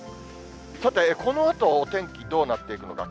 さて、このあとお天気どうなっていくのか。